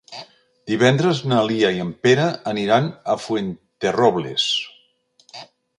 Divendres na Lia i en Pere aniran a Fuenterrobles.